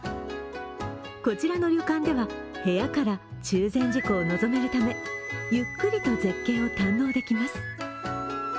こちらの旅館では部屋から中禅寺湖を望めるため、ゆっくりと絶景を堪能できます。